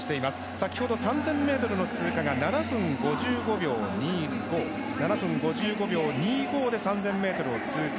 先ほど３０００ｍの通貨が７分５５秒２５で３０００ｍを通過。